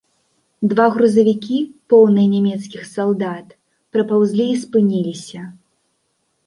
Два грузавікі, поўныя нямецкіх салдат, прапаўзлі і спыніліся.